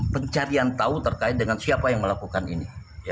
pencarian tahu terkait dengan siapa yang melakukan ini